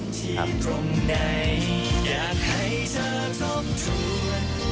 ที่ตรงไหนอยากให้เธอทบทวน